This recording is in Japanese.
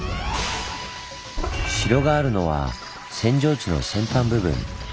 城があるのは扇状地の扇端部分。